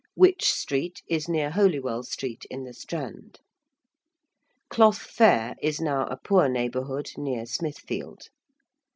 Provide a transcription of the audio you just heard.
~Wych Street~ is near Holywell Street in the Strand. ~Cloth Fair~ is now a poor neighbourhood near Smithfield.